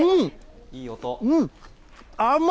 いい音。